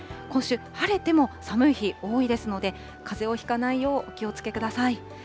今週、晴れても寒い日、多いですので、かぜをひかないようお気をつけください。